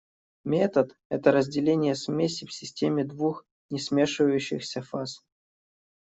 Метод – это разделение смеси в системе двух несмешивающихся фаз.